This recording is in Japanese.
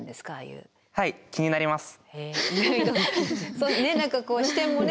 そうね何かこう視点もね。